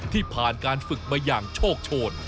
ที่ผ่านการฝึกมาอย่างโชคโชน